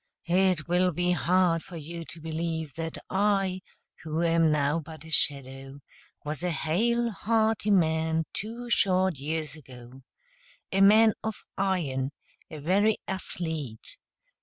It will be hard for you to believe that I, who am now but a shadow, was a hale, hearty man two short years ago, a man of iron, a very athlete!